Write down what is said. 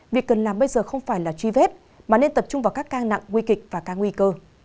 việc cần làm bây giờ không phải là truy vết mà nên tập trung vào các ca nặng nguy kịch và ca nguy cơ